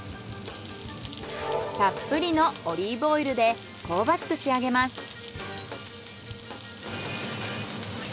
たっぷりのオリーブオイルで香ばしく仕上げます。